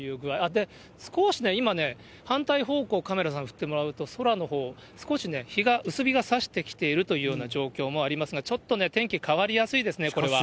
で、少しね、今、反対方向、カメラさん振ってもらうと、空のほう、少しね、日が薄日がさしてきているというような状況もありますが、ちょっとね、天気変わりやすいですね、これは。